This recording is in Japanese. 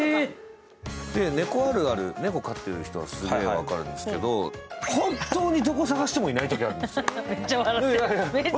猫あるある、猫飼っている人はすごい分かるんですけど、本当にどこ探してもいないときあるんです。